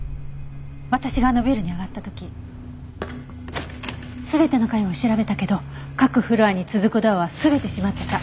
私があのビルに上がった時全ての階を調べたけど各フロアに続くドアは全て閉まってた。